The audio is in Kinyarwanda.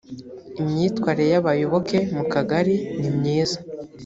imyitwarire y abayoboke mu kagari nimyiza